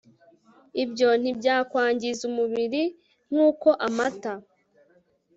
Ibyo ntibyakwangiza umubiri nkuko amata